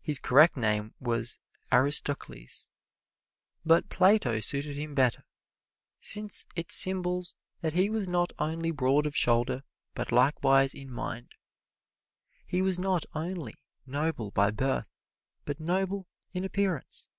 His correct name was Aristocles, but "Plato" suited him better, since it symbols that he was not only broad of shoulder, but likewise in mind. He was not only noble by birth, but noble in appearance.